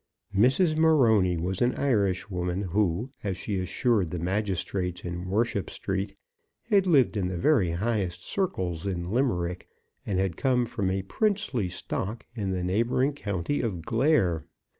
Mrs. Morony was an Irishwoman who, as she assured the magistrates in Worship Street, had lived in the very highest circles in Limerick, and had come from a princely stock in the neighbouring county of Glare.